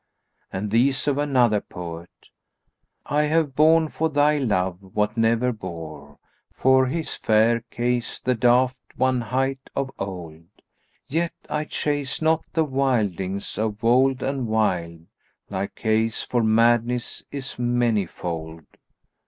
And these of another poet, "I have borne for thy love what never bore * For his fair, Kays the 'Daft one'[FN#204] hight of old: Yet I chase not the wildlings of wold and wild * Like Kays, for madness is manifold."